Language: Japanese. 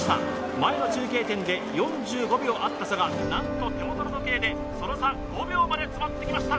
前の中継点で４５秒あった差が何と手元の時計でその差５秒まで詰まってきました